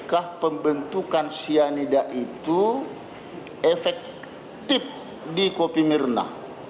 kah pembentukan sianida itu efektif di kopi mirna